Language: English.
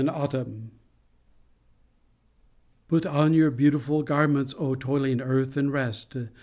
IN AUTUMN Put on your beautiful garments, O toiling earth, and rest